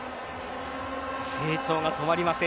成長が止まりません。